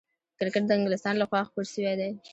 کرکټ د انګلستان له خوا خپور سوی دئ.